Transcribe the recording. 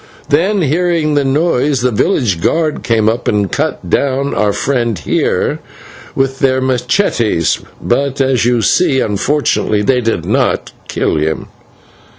Then, hearing the noise, the village guard came up and cut down our friend here with their /machetes/, but as you see, unfortunately, they did not kill him."